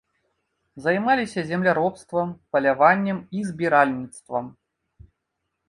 Займаліся земляробствам, паляваннем і збіральніцтвам.